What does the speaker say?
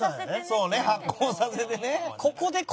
そうね発酵させてね。